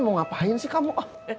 mau ngapain sih kamu